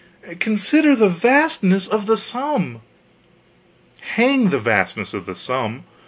Consider the vastness of the sum " "Hang the vastness of the sum!